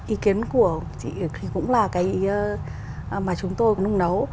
ý kiến của chị thì cũng là cái mà chúng tôi cũng nung nấu